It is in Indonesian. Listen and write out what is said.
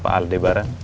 pak aldai barang